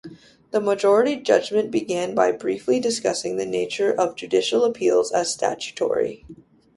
The majority judgement began by briefly discussing the nature of judicial appeals as statutory.